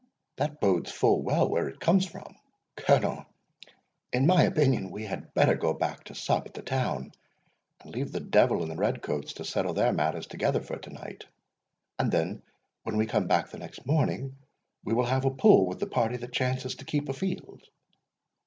— that bodes full well where it comes from.—Colonel, in my opinion we had better go back to sup at the town, and leave the Devil and the red coats to settle their matters together for to night; and then when we come back the next morning, we will have a pull with the party that chances to keep a field."